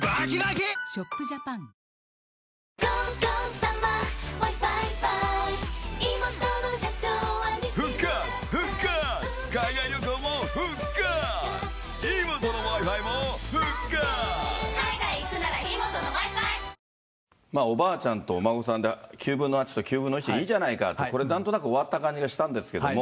さらに、おばあちゃんとお孫さんで、９分の８と９分の１でいいじゃないかって、これ、なんとなく終わった感じがしたんですけども。